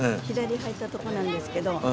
左に入ったとこなんですけど。